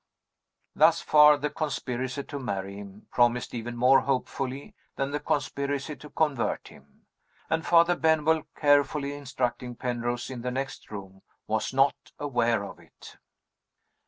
Thus far, the conspiracy to marry him promised even more hopefully than the conspiracy to convert him. And Father Benwell, carefully instructing Penrose in the next room, was not aware of it!